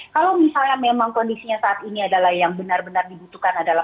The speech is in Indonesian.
kalau misalnya memang kondisinya saat ini adalah yang benar benar dibutuhkan adalah